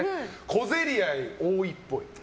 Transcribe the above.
小競り合い多いっぽい。